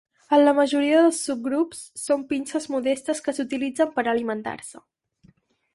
En la majoria dels subgrups, són pinces modestes que s'utilitzen per alimentar-se.